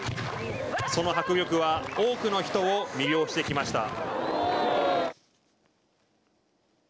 その迫力は多くの人を魅了してきました。